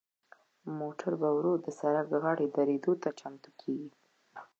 موټر په ورو د سړک غاړې دریدو ته چمتو کیږي.